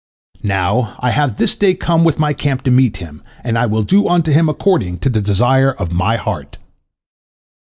Now, I have this day come with my camp to meet him, and I will do unto him according to the desire of my heart."